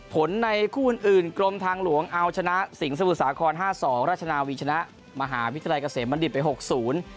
ผลในคุณอื่นกรมทางหลวงเอาชนะสิ่งศพสาคอนห้าสองราชนาวีชนะมหาวิทยาลัยเกษมณฑิร์ดิบไปหกศูนย์